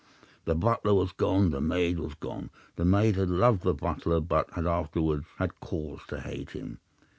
The butler was gone. The maid was gone. The maid had loved the butler, but had afterwards had cause to hate him.